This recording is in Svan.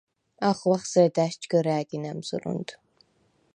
ახღვახ ზედა̈შ ჯგჷრა̄̈გი ნა̈მზჷრუნდ.